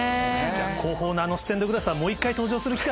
後方のステンドグラスはもう１回登場する機会。